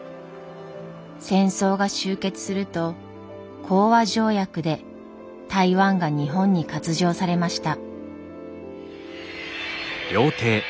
戦争が終結すると講和条約で台湾が日本に割譲されました。